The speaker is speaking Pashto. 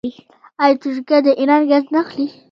آیا ترکیه د ایران ګاز نه اخلي؟